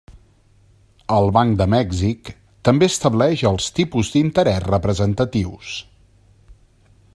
El Banc de Mèxic també estableix els tipus d'interès representatius.